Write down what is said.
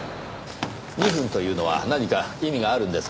２分というのは何か意味があるんですか？